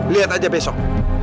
lihat saja besok